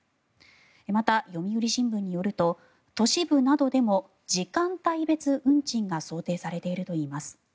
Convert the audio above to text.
また、読売新聞によると都市部などでも時間帯別運賃が想定されているといいます。